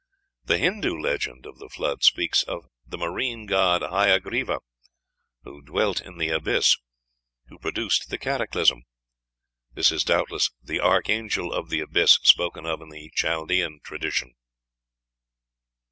The Hindoo legend of the Flood speaks of "the marine god Hayagriva, who dwelt in the abyss," who produced the cataclysm. This is doubtless "the archangel of the abyss" spoken of in the Chaldean tradition.